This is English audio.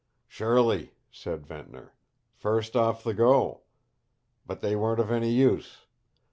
"Surely," said Ventnor. "First off the go. But they weren't of any use.